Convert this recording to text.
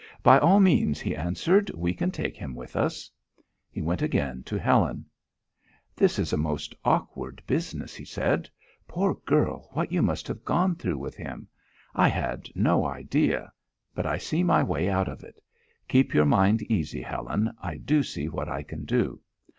"By all means," he answered. "We can take him with us." He went again to Helen. "This is a most awkward business," he said. "Poor girl! what you must have gone through with him! I had no idea! But I see my way out of it. Keep your mind easy, Helen. I do see what I can do.